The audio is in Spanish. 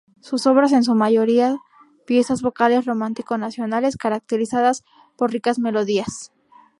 Sus obras son en su mayoría piezas vocales romántico-nacionales caracterizadas por ricas melodías.